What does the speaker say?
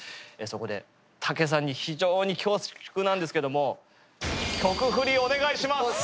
そこで武さんに非常に恐縮なんですけどもお願いします！